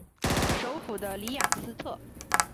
首府的里雅斯特。